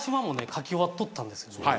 書き終わっとったんですよね。